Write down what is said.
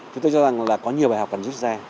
chúng tôi cho rằng là có nhiều bài học cần rút ra